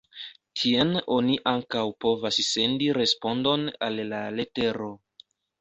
Tien oni ankaŭ povas sendi respondon al la letero.